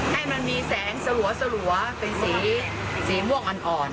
ให้มันมีแสงสลัวเป็นสีม่วงอ่อน